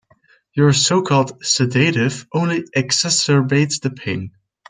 Your so-called sedative only exacerbates the pain.